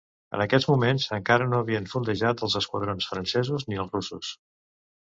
En aquests moments, encara no havien fondejat els esquadrons francesos ni els russos.